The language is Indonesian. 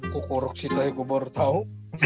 kukuruk situ aja gue baru tahu